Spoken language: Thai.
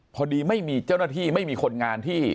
พอดีไม่มีเจ้าหน้าที่ไม่มีคนงานที่